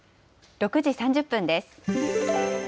６時３０分です。